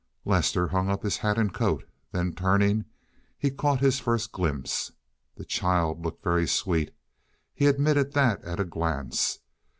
Lester hung up his hat and coat, then, turning, he caught his first glimpse. The child looked very sweet—he admitted that at a glance.